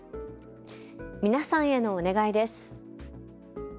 皆さんへのお願いです。